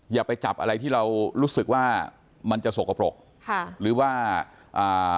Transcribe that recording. อย่าไปจับอะไรที่เรารู้สึกว่ามันจะสกปรกค่ะหรือว่าอ่า